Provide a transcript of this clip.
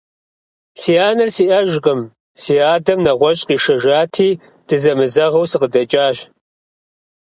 Си анэр сиӀэжкъым, си адэм нэгъуэщӀ къишэжати, дызэмызэгъыу сыкъыдэкӀащ.